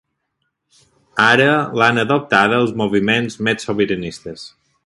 Ara l'han adoptada els moviments més sobiranistes.